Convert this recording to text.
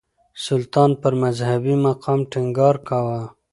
سلطان پر مذهبي مقام ټينګار کاوه.